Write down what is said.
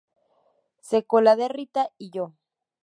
Secuela de "Rita y yo".